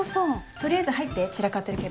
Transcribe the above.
取りあえず入って散らかってるけど。